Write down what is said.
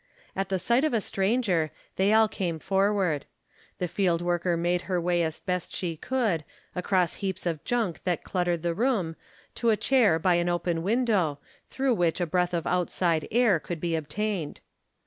At the sight of a stranger, they all came for ward. The field worker made her way as best she could, across heaps of junk that cluttered the room, to a chair by an open window through which a breath of outside air could be obtained.